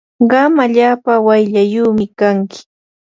qam allaapa wayllaayumi kanki.